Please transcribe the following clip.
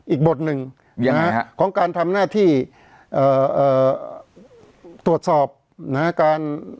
อีกบทหนึ่งนะฮะของการทำหน้าที่เอ่อตรวจสอบนะฮะการ